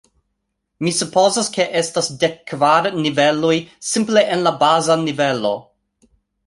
Mi supozas ke estas dek kvar niveloj simple en la baza nivelo.